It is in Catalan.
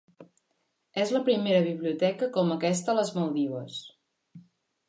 És la primera biblioteca com aquesta a les Maldives.